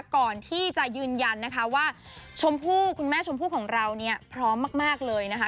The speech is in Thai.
ก่อนที่จะยืนยันนะคะว่าชมพู่คุณแม่ชมพู่ของเราเนี่ยพร้อมมากเลยนะคะ